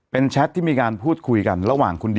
เป็นแชตมีการพูดคุยกัน